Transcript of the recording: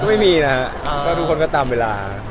ไม่มีนะฮะก็ทุกคนก็ตามเวลา